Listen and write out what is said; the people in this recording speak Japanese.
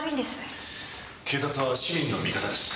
警察は市民の味方です。